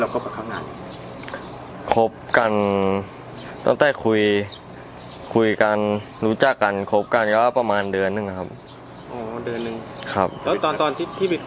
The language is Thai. ครบกันตั้งแต่คุยกันรู้จักกันครบกันก็ประมาณเดือนหนึ่งครับ